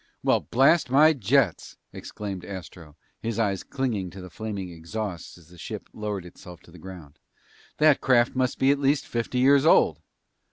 "Well, blast my jets!" exclaimed Astro, his eyes clinging to the flaming exhausts as the ship lowered itself to the ground. "That craft must be at least fifty years old!"